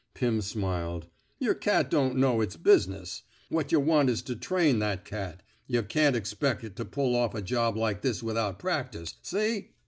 Pim smiled. '* Yer cat don't know its business. What yuh want is to train that cat. Yuh can't expec' it to pull off a job like this without practice. See!